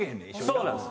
そうなんです。